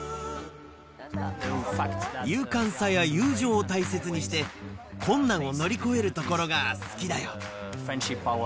勇敢さや友情を大切にして、困難を乗り越えるところが好きだよ。